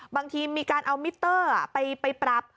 บางทีมีการเอามิเตอร์ไปปรับ